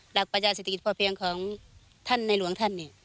หลักประหยาศิษย์ศิษย์พอเพียงของท่านในหลวงท่าน